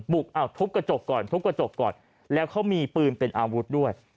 ทุบกระจกก่อนทุบกระจกก่อนแล้วเขามีปืนเป็นอาวุธด้วย